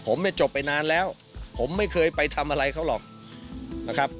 ผมเนี่ยจบไปนานแล้วผมไม่เคยไปทำอะไรเขาหรอกนะครับ